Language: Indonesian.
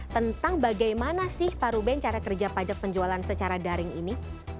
tentang bagaimana sih pak ruben cara kerja pajak penjualan secara daring ini